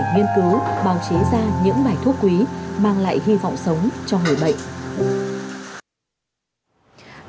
đồng chí ra những bài thuốc quý mang lại hy vọng sống cho người bệnh